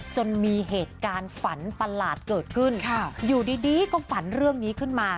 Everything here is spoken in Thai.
จนมีเหตุการณ์ฝันประหลาดเกิดขึ้นอยู่ดีก็ฝันเรื่องนี้ขึ้นมา